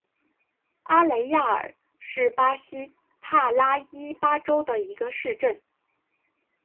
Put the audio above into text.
阿雷亚尔是巴西帕拉伊巴州的一个市镇。